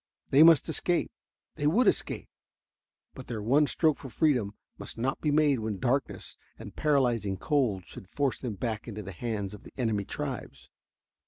They must escape they would escape but their one stroke for freedom must not be made when darkness and paralyzing cold should force them back into the hands of the enemy tribes.